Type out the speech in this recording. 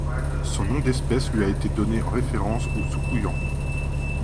Son nom d'espèce lui a été donné en référence au Soucouyant.